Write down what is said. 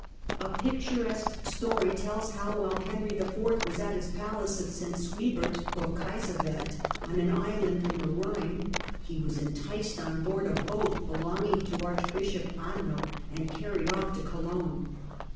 A picturesque story tells how, while Henry IV. was at his palace of St Suibert or Kaiserswerth, on an island in the Ehine, he was enticed on board a boat belonging to Archbishop Anno, and carried off to Cologne.